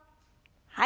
はい。